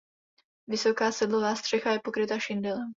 Vysoká sedlová střecha je pokryta šindelem.